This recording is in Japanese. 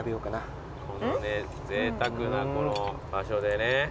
このぜいたくな場所でね。